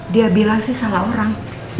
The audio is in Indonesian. dia bilang sih salah orang